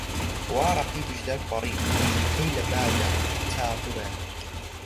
وا ڕەقیبیش دەرپەڕی، جووتەی لە با دا، تا بڵێن